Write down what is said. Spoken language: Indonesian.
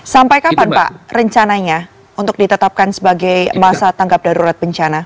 sampai kapan pak rencananya untuk ditetapkan sebagai masa tanggap darurat bencana